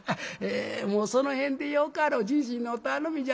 もうその辺でよかろうじじいの頼みじゃ。